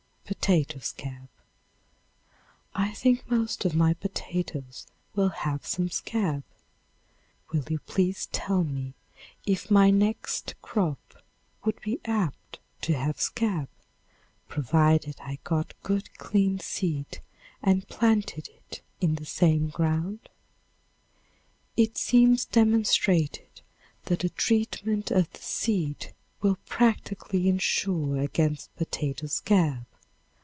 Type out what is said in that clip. Potato Scab. I think most of my potatoes will have some scab. Will you please tell me if my next crop would be apt to have scab, provided I got good clean seed and planted in the same ground? It seems demonstrated that a treatment of the seed will practically insure against potato scab.